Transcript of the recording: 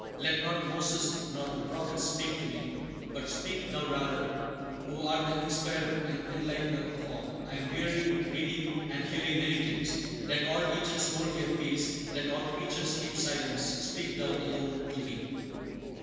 Let not Moses nor the prophets speak to me, but speak thou rather, who art the Inspirer and Enlightener of all. I am weary with reading and hearing many things; let all teachers hold their peace; let all creatures keep silence: speak thou alone to me."